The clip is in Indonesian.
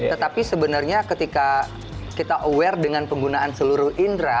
tetapi sebenarnya ketika kita aware dengan penggunaan seluruh indera